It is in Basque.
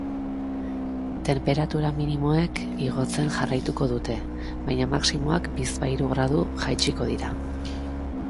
Tenperatura minimoek igotzen jarraituko dute, baina maximoak bizpahiru gradu jaitsiko dira.